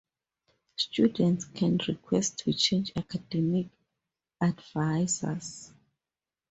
Students can request to change academic advisors.